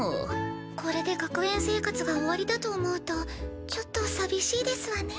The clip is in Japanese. これで学園生活が終わりだと思うとちょっと寂しいですわね。